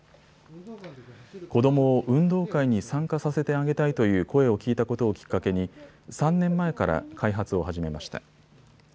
子どもを運動会に参加させてあげたいという声を聞いたことをきっかけに３年前から開発を始めました。